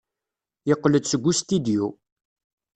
Yeqqel-d seg ustidyu.